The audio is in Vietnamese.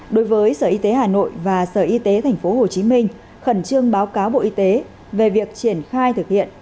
đối với sở y tế hà nội và sở y tế tp hcm khẩn trương báo cáo bộ y tế về việc triển khai thực hiện